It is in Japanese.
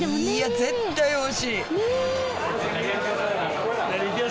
絶対おいしい！